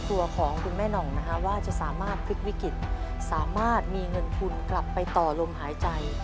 ตัวของคุณแม่หน่องนะคะว่าจะสามารถพลิกวิกฤตสามารถมีเงินทุนกลับไปต่อลมหายใจ